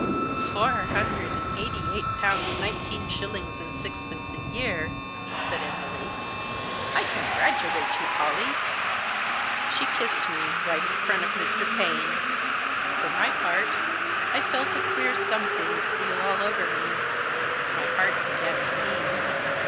"Four Hundred and Eighty Eight Pounds Nine teen Shillings and Sixpence a year!" said Emily, " I congratulate you, Pollie !" She kissed me, right in front of Mr. Paine. For my part, I felt a queer something steal all over me. My heart began to beat.